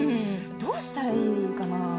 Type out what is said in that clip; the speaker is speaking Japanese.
どうしたらいいかな？